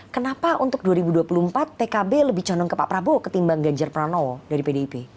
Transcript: kenapa untuk dua ribu dua puluh empat pkb lebih condong ke pak prabowo ketimbang ganjar pranowo dari pdip